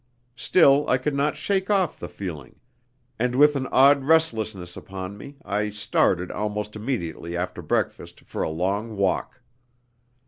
Still, I could not shake off the feeling, and with an odd restlessness upon me I started almost immediately after breakfast for a long walk.